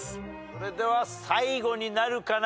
それでは最後になるかな。